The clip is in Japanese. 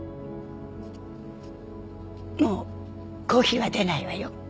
もうコーヒーは出ないわよ。